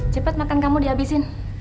cepet makan kamu dihabisin